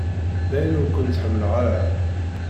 Dayen ur kent-ḥemmleɣ ara.